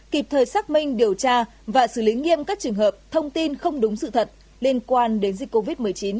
kịp thời xác minh điều tra và xử lý nghiêm các trường hợp thông tin không đúng sự thật liên quan đến dịch covid một mươi chín